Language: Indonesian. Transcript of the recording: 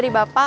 ada atau tidak